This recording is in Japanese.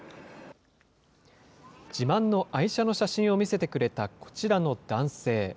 自慢の愛車の写真を見せてくれたこちらの男性。